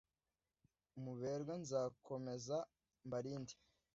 muberwe, nzakomeza mbarinde